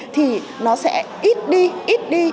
thì nó sẽ ít đi ít đi